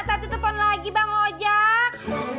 satu telepon lagi bang lojak